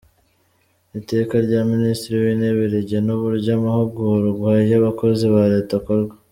Iteka rya Minisitiri w’Intebe rigena uburyo amahugurwa y’abakozi ba Leta akorwa ;